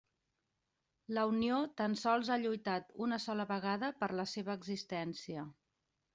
La Unió tan sols ha lluitat una sola vegada per la seva existència.